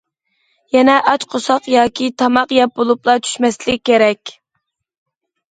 يەنە ئاچ قورساق ياكى تاماق يەپ بولۇپلا چۈشمەسلىك كېرەك.